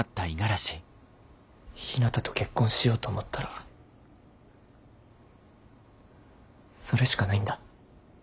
ひなたと結婚しようと思ったらそれしかないんだ。